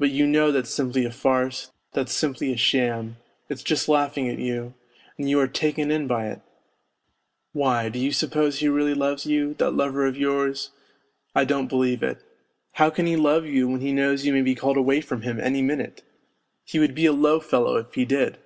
But you know that's simply a farce, that's simply a sham, it's just laughing at you, and you are taken in by it ! Why, do you suppose he really loves you, that lover of yours ? I don't believe it. How can he love you when he knows you may be called away from him any minute ? He would be a low fellow if he did